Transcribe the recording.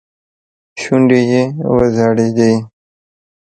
شونډې يې وځړېدې.